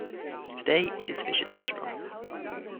Today it is Fischer's Restaurant.